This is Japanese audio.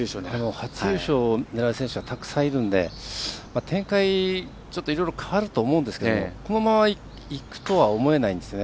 初優勝を狙う選手はたくさんいるので展開、ちょっと、いろいろ変わると思うんですけどこのままいくとは思えないんですね。